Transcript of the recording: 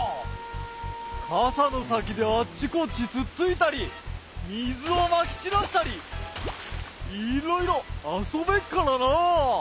かさのさきであっちこっちつっついたりみずをまきちらしたりいろいろあそべっからな。